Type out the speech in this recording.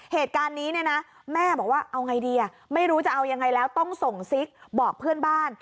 เหตุการณ์นี้เนี่ยนะแม่บอกว่าเอาไงดีอ่ะไม่รู้จะเอายังไงแล้วต้องส่งซิกบอกเพื่อนบ้าน